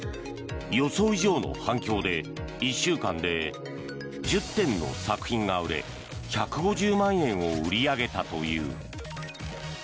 予想以上の反響で１週間で１０点の作品が売れ１５０万円を売り上げたという。